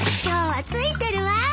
今日はついてるわ。